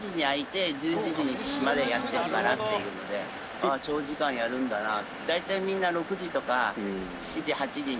ああ長時間やるんだなって。